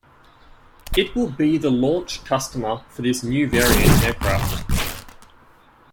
It will be the launch customer for this new variant aircraft.